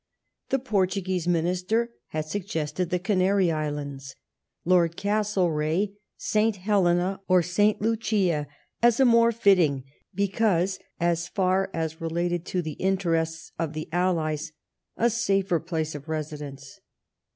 The Portuguese Minister had suggested the Canary Islands, Lord Castle reagh St. Helena or St. Lucia, as a more fitting, because, as far as related to the Interests of the Allies, a safer ])lace of residence.